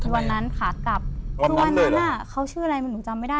วันนั้นขากลับคือวันนั้นเขาชื่ออะไรหนูจำไม่ได้